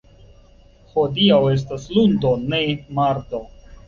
Hodiaŭ estas lundo, ne, mardo.